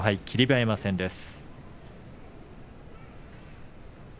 馬山戦です。